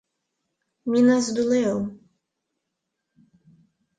Minas do Leão